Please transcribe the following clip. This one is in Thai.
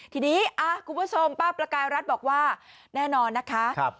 ทีนี้คุณผู้ชมป้าประกายรัฐบอกว่าแน่นอนนะคะ